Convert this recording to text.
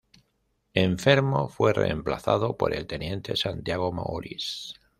Enfermo, fue reemplazado por el teniente Santiago Maurice.